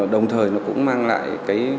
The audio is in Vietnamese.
đồng thời nó cũng mang lại